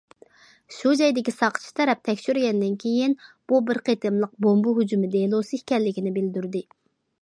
شۇ جايدىكى ساقچى تەرەپ تەكشۈرگەندىن كېيىن، بۇ بىر قېتىملىق بومبا ھۇجۇمى دېلوسى ئىكەنلىكىنى بىلدۈردى.